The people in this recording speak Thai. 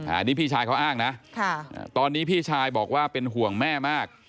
อันนี้พี่ชายเขาอ้างนะตอนนี้พี่ชายบอกว่าเป็นห่วงแม่มาก